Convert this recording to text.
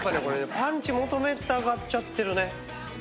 これねパンチ求めたがっちゃってるね。